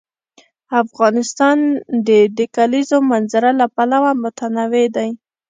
افغانستان د د کلیزو منظره له پلوه متنوع دی.